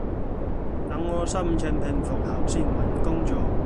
等我心情平復後先搵工做